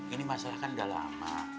ini masalah kan udah lama